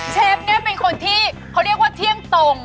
เชฟเนี่ยเป็นคนที่เขาเรียกว่าเที่ยงตรง